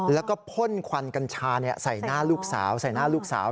แล้วก็พ่นควันกัญชาเนี่ยใส่หน้าลูกสาว